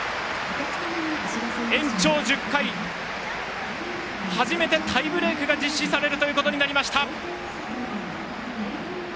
延長１０回初めてタイブレークが実施されることになりました。